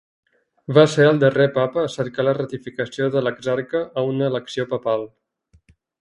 Va ser el darrer papa a cercar la ratificació de l'exarca a una elecció papal.